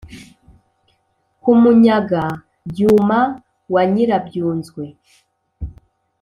Kumunyaga-byuma wa Nyirabyunzwe.